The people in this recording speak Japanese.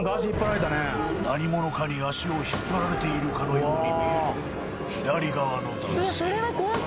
何者かに足を引っ張られているかのように見える左側の男性